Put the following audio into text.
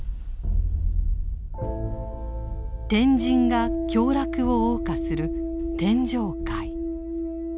天人が享楽をおう歌する天上界。